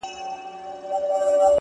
ننني ياران هم نه سره خنديږي.!